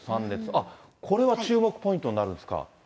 あっ、これは注目ポイントになるんですか？